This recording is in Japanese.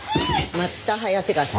また早瀬川さん。